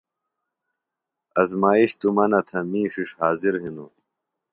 آزمائش توۡ مہ تھہ می ݜِݜ حاضر ہِنوۡ۔